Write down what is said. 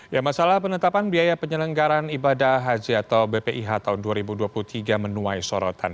ya masalah penetapan biaya penyelenggaran ibadah haji atau bpih tahun dua ribu dua puluh tiga menuai sorotan